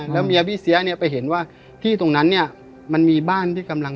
แล้วเมียพี่เสี้ยไปเห็นว่า